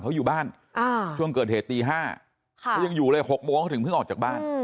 เขาอยู่บ้านช่วงเกิดเหตุตี๕เขายังอยู่เลย๖โมงเขาถึงเพิ่งออกจากบ้าน